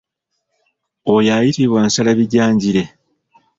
Oyo ayitibwa nsalabijanjire.